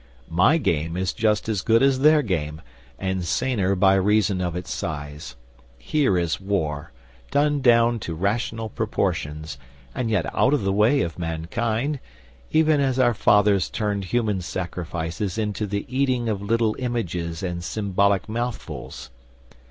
My game is just as good as their game, and saner by reason of its size. Here is War, done down to rational proportions, and yet out of the way of mankind, even as our fathers turned human sacrifices into the eating of little images and symbolic mouthfuls.